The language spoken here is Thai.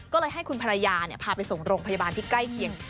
ก็เลยให้คุณภรรยาพาไปส่งโรงพยาบาลที่ใกล้เคียง